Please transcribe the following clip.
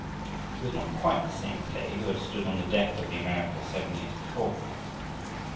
He was not quite the same Mackay who had stood on the deck of the America seven years before.